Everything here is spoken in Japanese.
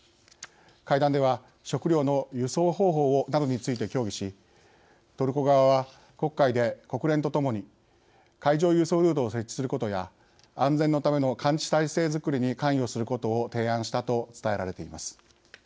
会談では食糧の輸送方法などについて協議しトルコ側は、黒海で国連とともに海上輸送ルートを設置することや安全のための監視態勢づくりに関与することを提案したと伝えられています。